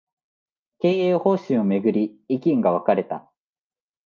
経営方針を巡り、意見が分かれた